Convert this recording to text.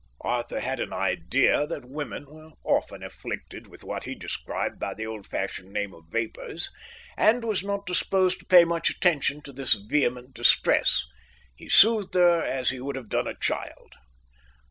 Arthur had an idea that women were often afflicted with what he described by the old fashioned name of vapours, and was not disposed to pay much attention to this vehement distress. He soothed her as he would have done a child.